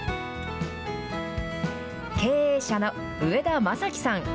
経営者の植田全紀さん。